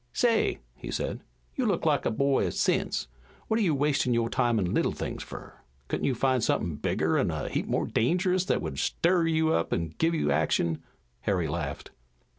"Say," he said, "you look like a boy o' sense. What are you wastin' your time in little things fur? Couldn't you find somethin' bigger an' a heap more dangerous that would stir you up an' give you action?" Harry laughed.